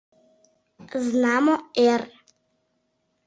— Знамо, эр.